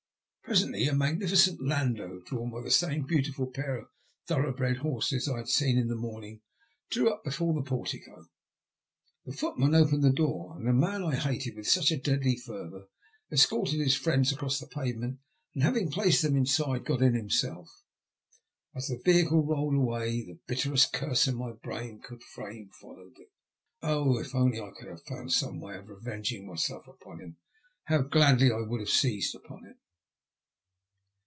Presently a magnificent landau, drawn by the same beautiful pair of thoroughbred horses I had seen in the morning, drew up before the portico. The footman opened the door, and the man I hated with such a deadly fervour escorted his friends across the pavement and, having placed them inside, got in himself. As the vehicle rolled away the bitterest curse my brain could frame followed it. Oh, if only I could have found some way of revenging myself upon him, how gladly I would have seized upon it.